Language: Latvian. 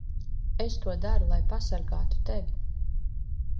Es to daru, lai pasargātu tevi.